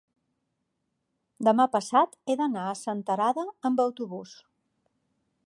demà passat he d'anar a Senterada amb autobús.